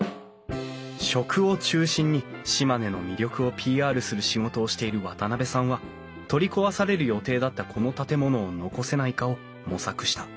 食を中心に島根の魅力をＰＲする仕事をしている渡部さんは取り壊される予定だったこの建物を残せないかを模索した。